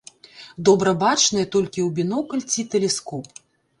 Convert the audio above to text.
Добра бачныя толькі ў бінокль ці тэлескоп.